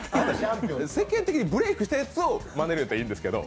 世間的にブレークしたやつをまねるんだったらいいですけど。